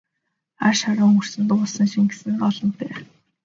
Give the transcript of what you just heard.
Хар шороон хөрсөнд уусан шингэсэн нь олонтой!